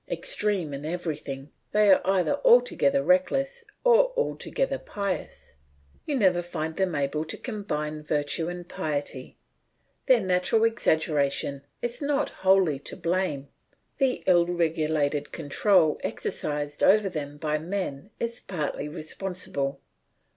Extreme in everything, they are either altogether reckless or altogether pious; you never find them able to combine virtue and piety. Their natural exaggeration is not wholly to blame; the ill regulated control exercised over them by men is partly responsible.